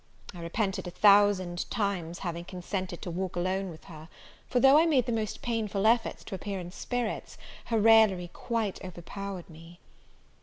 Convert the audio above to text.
I repented a thousand times having consented to walk alone with her; for though I made the most painful efforts to appear in spirits, her raillery quite overpowered me.